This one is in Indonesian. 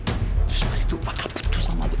terus pas itu bakal putus sama aldo